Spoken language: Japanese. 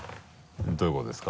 どういうことですか？